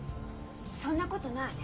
そんなことない。